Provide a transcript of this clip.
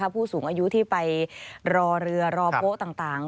ผู้สูงอายุที่ไปรอเรือรอโป๊ะต่าง